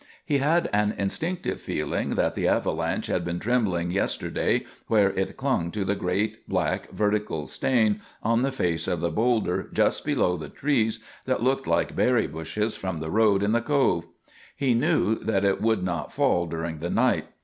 He had an instinctive feeling that the avalanche had been trembling yesterday where it clung to the great, black, vertical stain on the face of the boulder just below the trees that looked like berry bushes from the road in the Cove. He knew that it would not fall during the night.